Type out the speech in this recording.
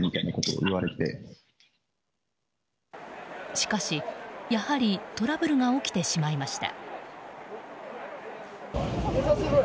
しかし、やはりトラブルが起きてしまいました。